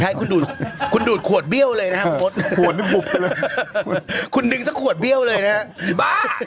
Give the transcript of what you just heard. ใช่คุณดูดควดเบี้ยวเลยนะครับคุณดึงซักขวดเบี้ยวเลยนะครับ